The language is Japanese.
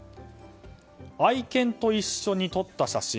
愛犬と一緒に撮った写真。